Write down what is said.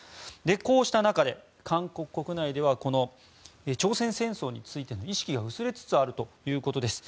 こうした中で、韓国国内では朝鮮戦争についての意識が薄れつつあるということです。